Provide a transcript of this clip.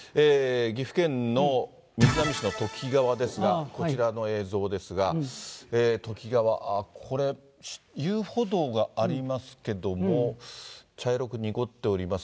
岐阜県の瑞浪市の土岐川ですが、こちらの映像ですが、土岐川、ああ、これ、遊歩道がありますけども、茶色く濁っております。